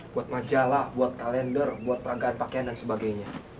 buat majalah buat kalender buat peragaan pakaian dan sebagainya